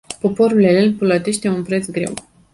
Poporul elen plătește un preț greu.